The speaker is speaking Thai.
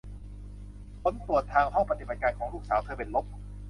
ผลตรวจทางห้องปฏิบัติการของลูกสาวเธอเป็นลบ